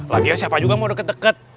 latihan siapa juga mau deket deket